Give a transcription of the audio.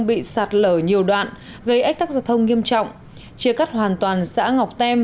bị sạt lở nhiều đoạn gây ách tắc giao thông nghiêm trọng chia cắt hoàn toàn xã ngọc tem